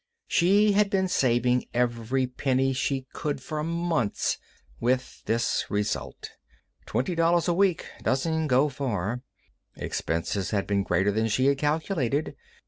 She had been saving every penny she could for months, with this result. Twenty dollars a week doesn't go far. Expenses had been greater than she had calculated.